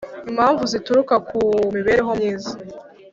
impamvu zituruka kumibereho myiza